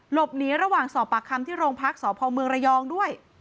หลบหนีระหว่างสอบปากคำที่โรงพักษณ์สพรยด้วย